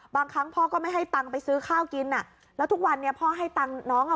บางครั้งพ่อก็ไม่ให้ตังค์ไปซื้อข้าวกินอ่ะแล้วทุกวันนี้พ่อให้ตังค์น้องอ่ะ